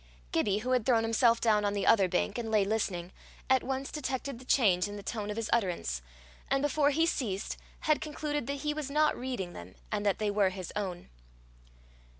Gibbie, who had thrown himself down on the other bank, and lay listening, at once detected the change in the tone of his utterance, and before he ceased had concluded that he was not reading them, and that they were his own.